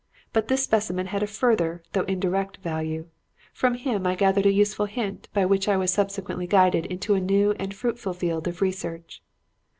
But this specimen had a further, though indirect, value. From him I gathered a useful hint by which I was subsequently guided into a new and fruitful field of research.